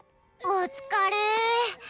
お疲れ！